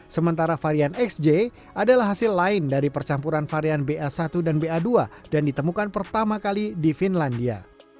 sementara varian xj adalah hasil lain dari percampuran varian ba satu dan ba dua dan ditemukan pertama kali di finlandia